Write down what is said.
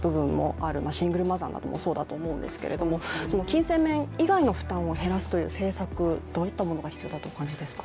シングルマザーなどもそうだと思うんですけどその金銭面以外の負担を減らす政策どういったものが必要だとお考えですか？